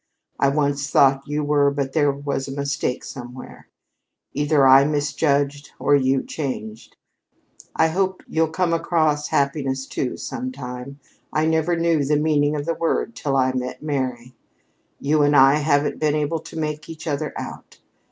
I once thought you were, but there was a mistake somewhere. Either I misjudged, or you changed. I hope you'll come across happiness, too, sometime. I never knew the meaning of the word till I met Mary. You and I haven't been able to make each other out.